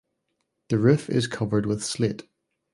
The roof is covered with slate.